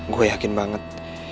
gue yakin banget